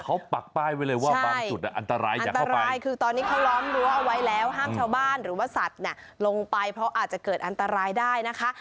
เขาปักป้ายไว้เลยว่าบางจุดอันตรายอันตรายคือตอนนี้เขาล้อมรั้วเอาไว้แล้วห้ามชาวบ้านหรือว่าสัตว์ลงไปเพราะอาจจะเกิดอันตรายได้นะคะ